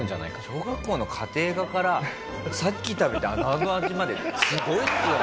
小学校の家庭科からさっき食べたあの味まですごいっすよ！